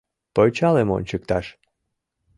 — Пычалым ончыкташ!